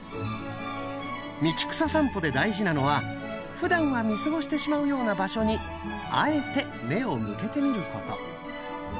道草さんぽで大事なのはふだんは見過ごしてしまうような場所にあえて目を向けてみること。